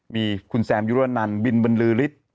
มีคุณแซมยุรนันบินบรรลือฤทธิ์